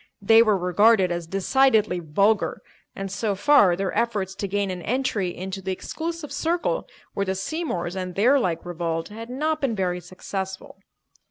They were regarded as decidedly vulgar, and so far their efforts to gain an entry into the exclusive circle where the Seymours and their like revolved had not been very successful.